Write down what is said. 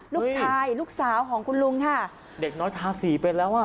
ลูกสาวลูกสาวของคุณลุงค่ะเด็กน้อยทาสี่ไปแล้วอ่ะ